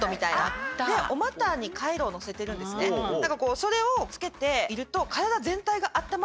それを着けていると。